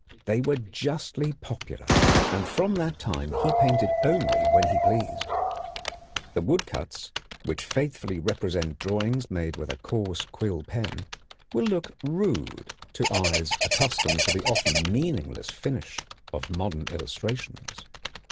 They were justly popular, and from that time he painted only when he pleased. The woodcuts, which faithfully represent drawings made with a coarse quill pen, will look rude to eyes accustomed to the often meaningless finish of modern illustrations.